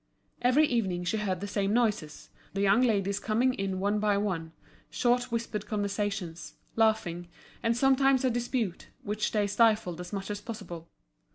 Every evening she heard the same noises, the young ladies coming in one by one, short whispered conversations, laughing, and sometimes a dispute, which they stifled as much as possible.